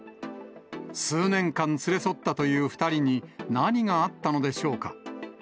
数年間連れ添ったという２人に、何があったのでしょうか。